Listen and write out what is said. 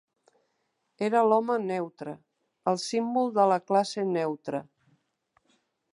Era l'home neutre, el símbol de la classe neutra